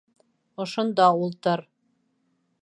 Ошонда ултыр.